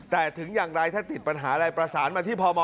แต่ถึงอย่างไรถ้าติดปัญหาอะไรประสานมาที่พม